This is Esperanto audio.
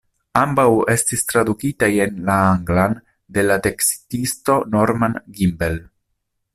Ambaŭ estis tradukitaj en la anglan de la tekstisto Norman Gimbel.